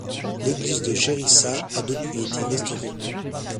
L’église de Jérissa a depuis été restaurée.